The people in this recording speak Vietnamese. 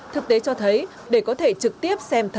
thực tế cho thấy để có thể trực tiếp xem